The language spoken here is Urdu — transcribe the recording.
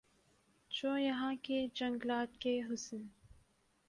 جو یہاں کے جنگلات کےحسن